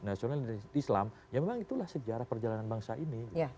nasional dan islam ya memang itulah sejarah perjalanan bangsa ini